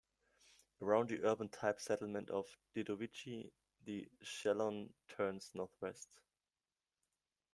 Around the urban-type settlement of Dedovichi the Shelon turns northwest.